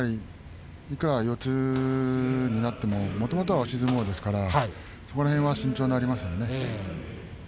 いくら四つになってももともとは押し相撲ですからそこら辺は慎重になりますよね。